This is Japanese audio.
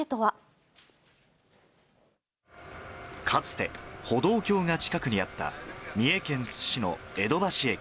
かつて歩道橋が近くにあった、三重県津市の江戸橋駅。